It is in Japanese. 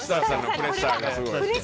プレッシャーがすごい。